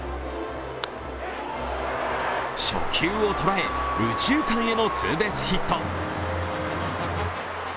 初球を捉え、右中間へのツーベースヒット。